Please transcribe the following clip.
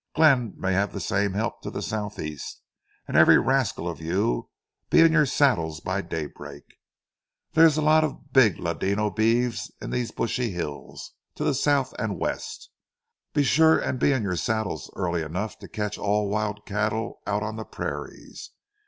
Glenn may have the same help to the southeast; and every rascal of you be in your saddles by daybreak. There are a lot of big ladino beeves in those brushy hills to the south and west. Be sure and be in your saddles early enough to catch all wild cattle out on the prairies.